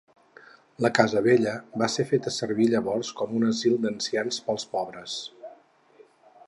La casa vella va ser feta servir llavors com un asil d'ancians pels pobres.